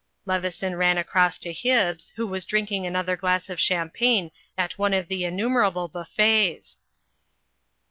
Leveson ran across to Hibbs, who was drinking another glass of champagne at one of the innumerable buffets.